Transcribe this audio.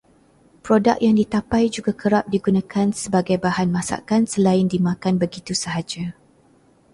Produk yang ditapai juga kerap digunakan sebagai bahan masakan selain dimakan begitu sahaja.